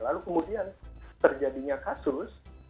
lalu kemudian terjadinya kasus